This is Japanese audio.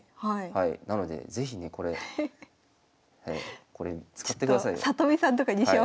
なので是非ねこれ使ってくださいよ。